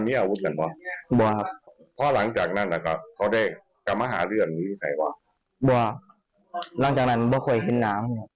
ไม่ว่าหลังจากนั้นไม่เคยเห็นน้ำ